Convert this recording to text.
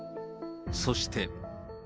そして。